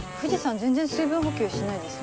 全然水分補給しないですね。